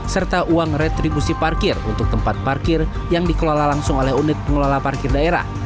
serta uang retribusi parkir untuk tempat parkir yang dikelola langsung oleh unit pengelola parkir daerah